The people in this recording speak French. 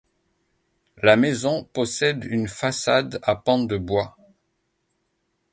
La maison possède une façade à pans de bois.